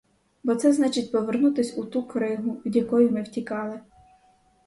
Бо це значить повернутись у ту кригу, від якої ми втікали.